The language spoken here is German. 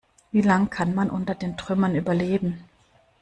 Wie lang kann man unter den Trümmern überleben?